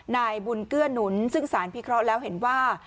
นายบุญเกื้อหนุนซึ่งสารพิเคราะห์แล้วเห็นว่า